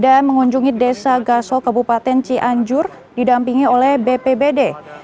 dan mengunjungi desa gasol kebupaten cianjur didampingi oleh bpbd